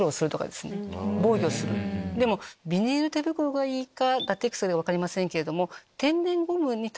ビニール手袋がいいかラテックスがいいか分かりませんけれども。